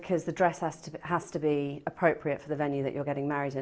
karena pakaian harus berpikir yang tepat untuk venue yang anda berkahwin